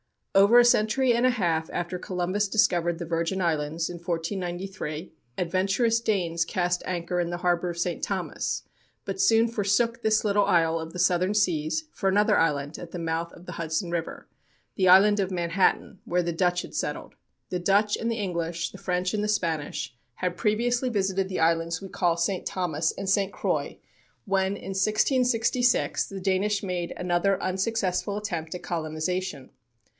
Over a century and a half after Columbus discovered the Virgin Islands, in 1493, adventurous Danes cast anchor in the harbor of St. Thomas, but soon forsook this little isle of the southern seas for another island at the mouth of the Hudson River the Island of Manhattan, where the Dutch had settled. The Dutch and the English, the French and the Spanish, had previously visited the islands we call St. Thomas and St. Croix when, in 1666, the Danish made another unsuccessful attempt at colonization.